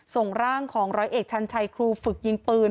ส่งร่างของร้อยเอกชันชัยครูฝึกยิงปืน